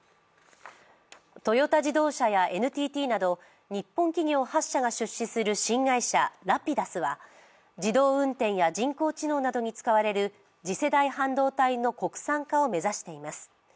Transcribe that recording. トヨタ自動車やＮＴＴなど日本企業８社が出資する新会社・Ｒａｐｉｄｕｓは自動運転や人工知能などに使われる次世代半導体の国産化を目指しています。